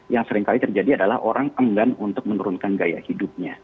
yang seringkali terjadi adalah orang enggan untuk menurunkan gaya hidupnya